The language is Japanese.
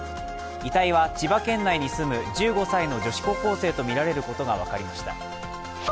遺体は千葉県内に住む１５歳の女子高校生とみられることが分かりました。